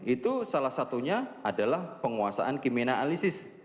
itu salah satunya adalah penguasaan kimia alisis